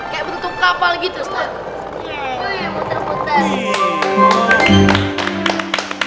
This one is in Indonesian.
kayak bentuk kapal gitu ustadz